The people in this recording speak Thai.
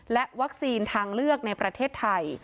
และวัคซีนทางเลือกในประเทศไทย